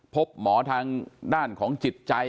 พบหมอทางด้านของจิตใจ